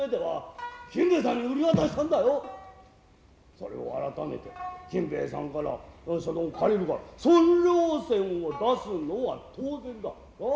それを改めて金兵衛さんから借りるから損料銭を出すのは当然だな？